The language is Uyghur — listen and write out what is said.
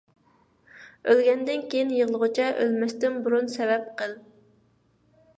ئۆلگەندىن كىيىن يىغلىغۇچە، ئۆلمەستىن بۇرۇن سەۋەب قىل.